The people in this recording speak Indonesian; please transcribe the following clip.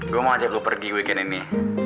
gue mau ajak lo pergi weekend ini